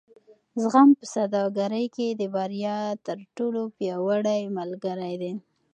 زغم په سوداګرۍ کې د بریا تر ټولو پیاوړی ملګری دی.